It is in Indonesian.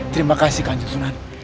terima kasih kanjun sunan